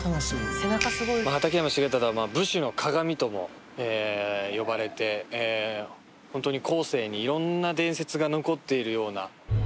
畠山重忠は武士の鑑とも呼ばれて本当に後世にいろんな伝説が残っているような。